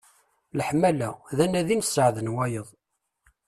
Leḥmala, d anadi n sseɛd n wayeḍ.